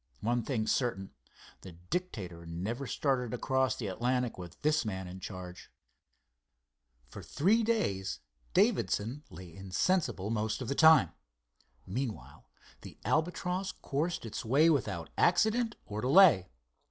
One thing certain—the Dictator never started across the Atlantic with this man in charge." For three days Davidson lay insensible most of the time. Meanwhile the Albatross coursed its way without accident or delay.